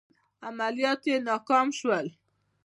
عملیات یې ناکام شول.